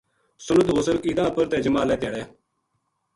سنت غسل عیداں اپر تے جمعہ آؒلے تیہاڑذے